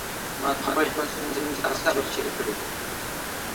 ما د خپل ژوند ستونزې په صبر تېرې کړې.